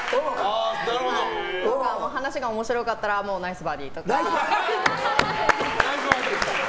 話が面白かったらナイスバーディーとか。